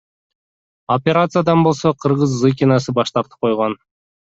Операциядан болсо кыргыз Зыкинасы баш тартып койгон.